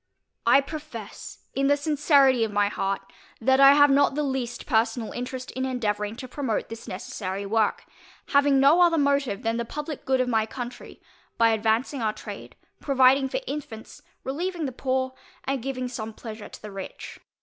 I profess in the sincerity of my heart, that I have not the least personal interest in endeavouring to promote this necessary work, having no other motive than the publick good of my country, by advancing our trade, providing for infants, relieving the poor, and giving some pleasure to the rich.